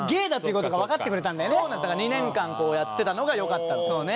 だから２年間やってたのがよかった。